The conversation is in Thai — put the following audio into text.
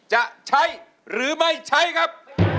จะใช้หรือไม่ใช้ครับ